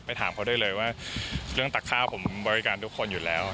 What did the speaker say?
ถามเขาได้เลยว่าเรื่องตักข้าวผมบริการทุกคนอยู่แล้ว